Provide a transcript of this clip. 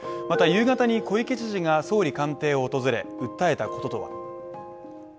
また夕方に小池知事が総理官邸を訪れ、訴えたこととは。